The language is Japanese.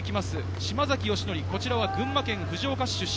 島崎慎愛、こちらが群馬県藤岡市出身。